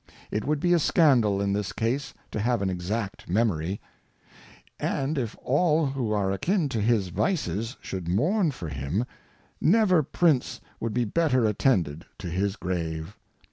It would be a Scandal in this Case to have an exact Memory. And if all who are akin to his Vices, shoidd mourn for him, never Prince would be better attended to his Grave.